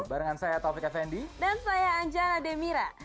barengan saya taufik effendi dan saya anja demira